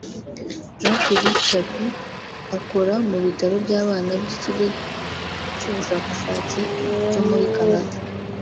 Jean-Philippe Chaput ukora mu bitaro by’abana by’Ikigo cy’Ubushakashatsi cyo muri Canada